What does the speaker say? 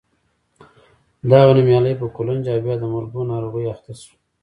دغه نومیالی په قولنج او بیا د مرګو ناروغۍ اخته شو.